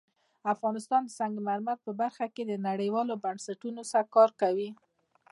افغانستان د سنگ مرمر په برخه کې نړیوالو بنسټونو سره کار کوي.